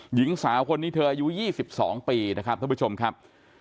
หญิงสาวคนนี้เธออายุ๒๒ปีนะครับท่านผู้ชมครับ